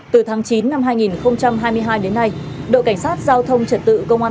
từ tháng chín năm hai nghìn hai mươi hai đến nay đội cảnh sát giao thông trật tự công an